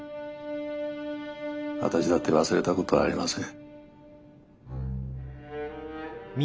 私だって忘れたことありません。